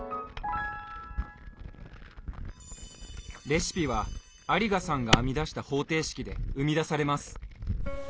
レシピは有賀さんが編み出した方程式で生み出されます。